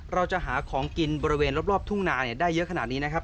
เราจะหาของกินบริเวณรอบทุ่งนาได้เยอะขนาดนี้นะครับ